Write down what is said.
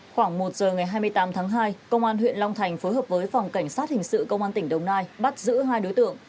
khoảng một giờ ngày hai mươi tám tháng hai công an huyện long thành phối hợp với phòng cảnh sát hình sự công an tỉnh đồng nai bắt giữ hai đối tượng